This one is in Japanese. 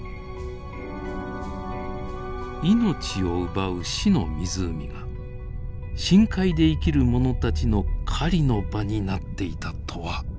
命を奪う死の湖が深海で生きるものたちの狩りの場になっていたとは。